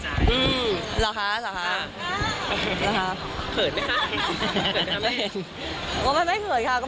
จำแบบอินเลยไหมคะอินเลยไหมคะอินไหมคะทำให้อยากแต่งงานไหมคะ